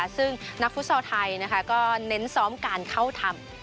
ซึ่งนักฟุตซอลไทยก็เน้นซ้อมการเข้าทำ